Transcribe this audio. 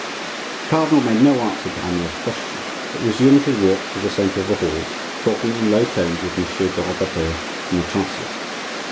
The cardinal made no answer to Amyot's question, but resumed his walk through the centre of the hall, talking in low tones with Monsieur de Robertet and the chancellor.